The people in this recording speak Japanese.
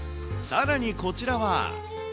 さらに、こちらは。